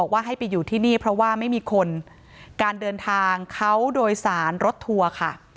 ว่าให้ไปอยู่ที่นี่เพราะว่าไม่มีคนการเดินทางเขาโดยสารรถทัวร์ค่ะ